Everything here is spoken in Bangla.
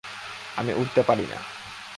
আমি উড়তে পারি না!